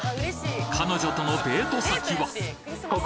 彼女とのデート先はここ！